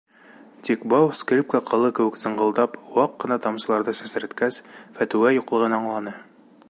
Тик бау, скрипка ҡылы кеүек зыңғылдап, ваҡ ҡына тамсыларҙы сәсрәткәс, фәтүә юҡлығын аңланы.